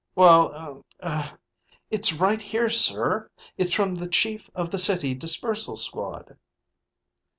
"Well ... er ... it's right here sir. It's from the chief of the City Dispersal Squad."